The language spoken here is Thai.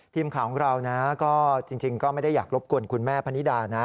ทีมข่าวของเรานะก็จริงก็ไม่ได้อยากรบกวนคุณแม่พนิดานะ